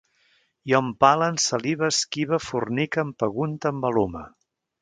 Jo empale, ensalive, esquive, fornique, empegunte, embalume